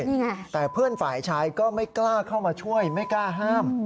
นี่ไงแต่เพื่อนฝ่ายชายก็ไม่กล้าเข้ามาช่วยไม่กล้าห้าม